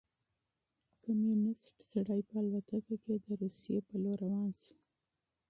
کمونیست سړی په الوتکه کې د روسيې په لور روان شو.